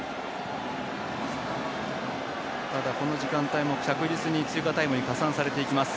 ただ、この時間帯も着実に追加タイムに加算されていきます。